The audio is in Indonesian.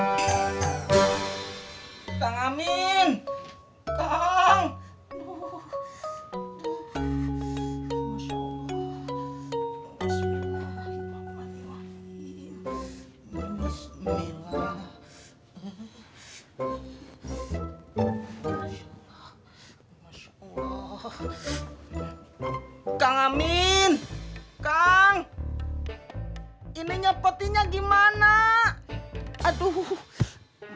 masya allah masya allah masya allah masya allah kang amin kang ini nyepetinnya gimana aduh masya allah